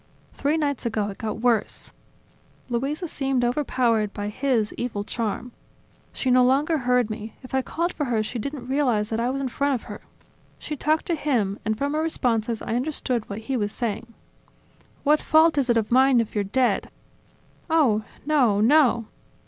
Three nights ago, it got worse ... Luisa seemed overpowered by his evil charm ... She no longer heard me; if I called for her, she didn't realize that I was in front of her ... She talked to him and, from her responses, I understood what he was saying. "What fault is it of mine if you're dead? Oh! No, no!